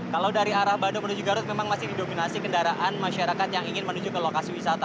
kalau dari arah bandung menuju garut memang masih didominasi kendaraan masyarakat yang ingin menuju ke lokasi wisata